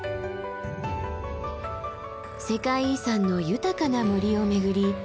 世界遺産の豊かな森を巡り